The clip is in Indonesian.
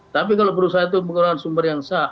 tapi kalau perusahaan itu menggunakan sumber yang sah